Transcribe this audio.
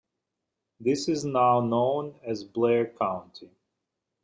This is now known as Blair County.